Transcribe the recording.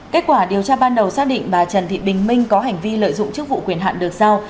kết quả điều tra ban đầu xác định bà trần thị bình minh có hành vi lợi dụng chức vụ quyền hạn được giao